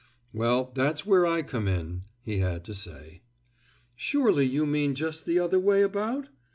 "Well, that's where I come in," he had to say. "Surely you mean just the other way about?